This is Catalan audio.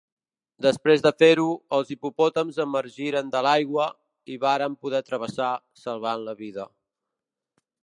Després de fer-ho, els hipopòtams emergiren de l’aigua, i varen poder travessar, salvant la vida.